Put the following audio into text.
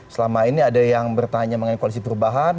selama ini ada yang bertanya mengenai koalisi perubahan